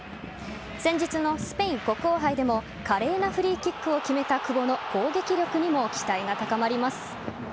先日のスペイン国王杯でも華麗なフリーキックを決めた久保の攻撃力にも期待が高まります。